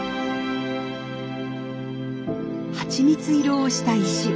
蜂蜜色をした石。